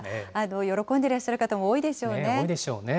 喜んでらっしゃる方も多いでしょうね。